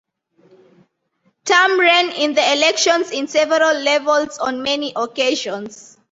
Tam ran in the elections in several levels on many occasions.